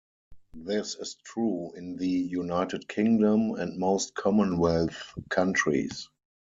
This is true in the United Kingdom and most Commonwealth countries.